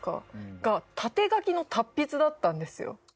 が縦書きの達筆だったんですよ。